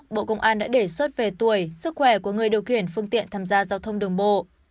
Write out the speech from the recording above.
bộ công an đã đề xuất về tuổi sức khỏe của người điều khiển phương tiện tham gia giao thông đường bộ